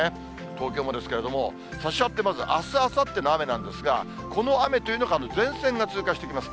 東京もですけれども、あす、あさっての雨なんですが、この雨というのが前線が通過していきます。